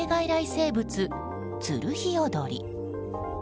生物、ツルヒヨドリ。